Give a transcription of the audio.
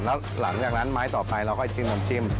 แล้วหลังจากนั้นไม้ต่อไปเราก็จิ้ม